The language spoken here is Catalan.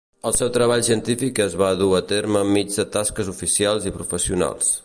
El seu treball científic es va dur a terme enmig de tasques oficials i professionals.